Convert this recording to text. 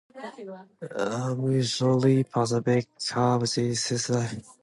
A Missouri-Pacific caboose sits outside of the museum.